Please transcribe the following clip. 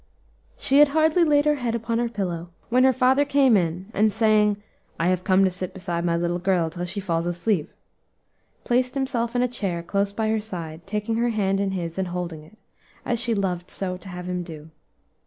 She had hardly laid her head upon her pillow, when her father came in, and saying, "I have come to sit beside my little girl till she falls asleep," placed himself in a chair close by her side, taking her hand in his and holding it, as she loved so to have him do.